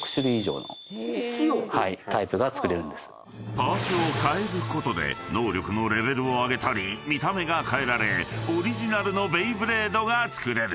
［パーツを替えることで能力のレベルを上げたり見た目が変えられオリジナルのベイブレードが作れる］